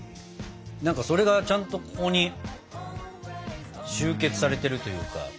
それがちゃんとここに集結されてるというか。